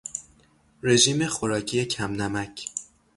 رژیم خوراکی کم نمک